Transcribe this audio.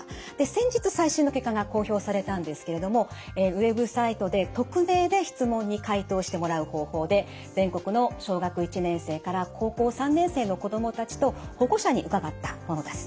先日最新の結果が公表されたんですけれどもウェブサイトで匿名で質問に回答してもらう方法で全国の小学１年生から高校３年生の子どもたちと保護者に伺ったものです。